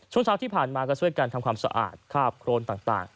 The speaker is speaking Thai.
ช่วงเช้าที่ผ่านมาก็ช่วยกันทำความสะอาดคาบโครนต่าง